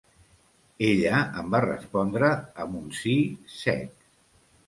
Ella em va respondre amb un sí sec.